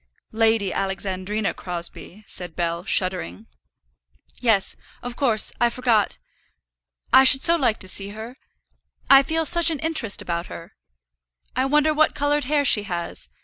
"Lady Alexandrina Crosbie," said Bell, shuddering. "Yes, of course; I forgot. I should so like to see her. I feel such an interest about her. I wonder what coloured hair she has.